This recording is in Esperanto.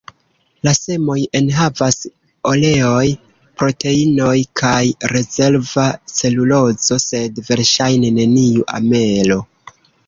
La semoj enhavas oleoj, proteinoj kaj rezerva celulozo, sed verŝajne neniu amelo.